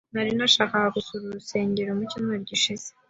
Nari nashakaga gusura urusengero mu cyumweru gishize.